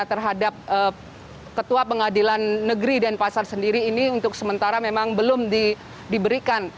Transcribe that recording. terhadap ketua pengadilan negeri denpasar sendiri ini untuk sementara memang belum diberikan